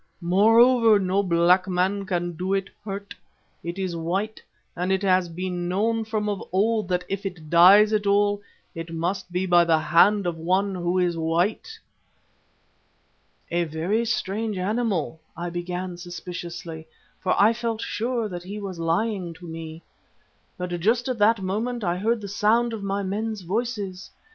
Moreover, no black man can do it hurt. It is white, and it has been known from of old that if it dies at all, it must be by the hand of one who is white.' "'A very strange animal,' I began, suspiciously, for I felt sure that he was lying to me. But just at that moment I heard the sound of my men's voices.